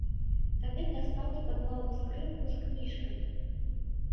Тады дастаў з-пад лавы скрынку з кніжкамі.